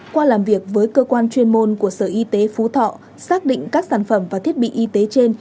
qua làm việc với cơ quan chuyên môn của sở y tế phú thọ xác định các sản phẩm và thiết bị y tế trên